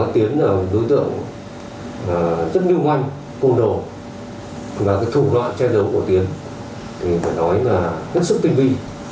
tiến là một đối tượng rất nhiều manh côn đồ và cái thủ loạn che giấu của tiến thì phải nói là rất sức tinh vi